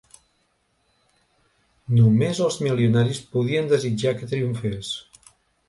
Només els milionaris podien desitjar que triomfés.